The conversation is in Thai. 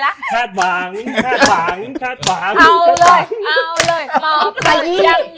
เอาเลยเอาเลยบอกอย่างไร